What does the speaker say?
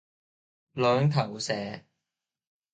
兩頭蛇